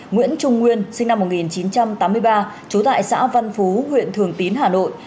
nguyễn trung nguyên sinh năm một nghìn chín trăm tám mươi ba trú tại xã văn phú huyện thường tín hà nội